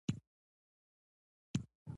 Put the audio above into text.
"په وږي خېټه جنګ نه کېږي".